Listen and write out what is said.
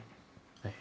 はい。